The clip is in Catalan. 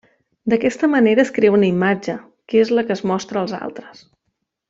D'aquesta manera es crea una imatge, que és la que es mostra als altres.